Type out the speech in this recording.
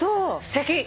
すてき！